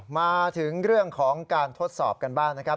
มาถึงเรื่องของการทดสอบกันบ้างนะครับ